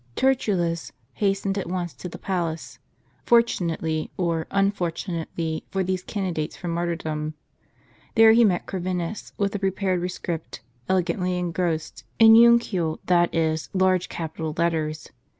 f( ERTULLFS hastened at once to the pal ace: fortunately, or unfortunately, for these candidates for martyrdom. There he met Corvinus, with the prepared rescript, elegantly engrossed in unical, that is, large capital letters.